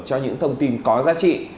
cho những thông tin có giá trị